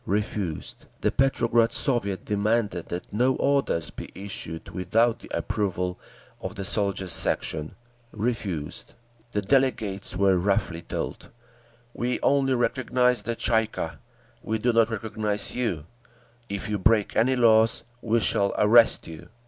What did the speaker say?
Refused. The Petrograd Soviet demanded that no orders be issued without the approval of the Soldiers' Section. Refused. The delegates were roughly told, "We only recognise the Tsay ee kah. We do not recognise you; if you break any laws, we shall arrest you."